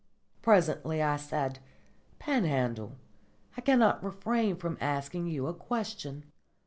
Presently I said, "Panhandle, I cannot refrain from asking you a question.